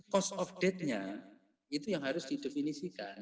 cost of date nya itu yang harus didefinisikan